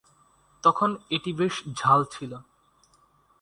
তখন এটি বেশ ঝাল ছিল।